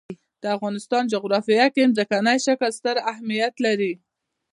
د افغانستان جغرافیه کې ځمکنی شکل ستر اهمیت لري.